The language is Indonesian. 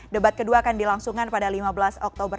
debat kedua akan dilangsungkan pada lima belas oktober